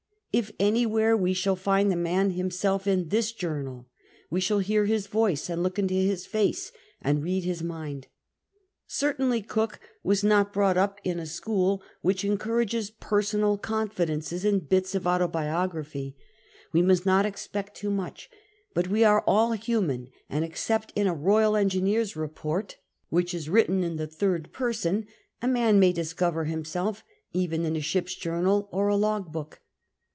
If anywhere we shall find the man himself in this jouimal, we shall hear his voice and look into his face and read his mind.* Cer tainly Cook was not brought up in a school which encourages personal confidences and bits of autobio graphy ; we must not expect too much ; but we ai'e all human, and except in a Royal Engineer's report, which is written in the third person, a man may discover him self even in a ship's journal or a log book.